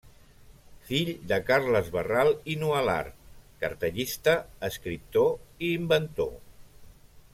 Fill de Carles Barral i Nualart cartellista, escriptor i inventor.